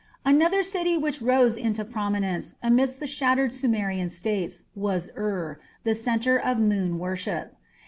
Another city which also rose into prominence, amidst the shattered Sumerian states, was Ur, the centre of moon worship.